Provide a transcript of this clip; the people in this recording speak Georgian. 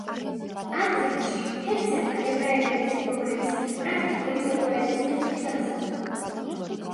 ამ წიგნში ჰერცელმა ებრაელების პრობლემის პრაქტიკული მოგვარების მეთოდი განსაზღვრა.